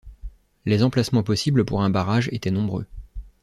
Les emplacements possibles pour un barrage étaient nombreux.